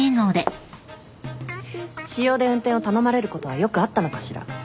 私用で運転を頼まれることはよくあったのかしら？